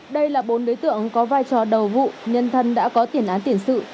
đây là bốn đối tượng có vai trò đầu vụ nhân thân đã có tiền án tiền sự